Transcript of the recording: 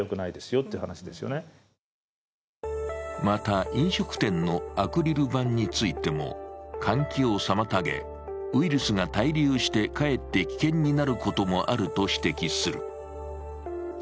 また飲食店のアクリル板についても換気を妨げ、ウイルスが滞留してかえって危険になることもあると指摘する。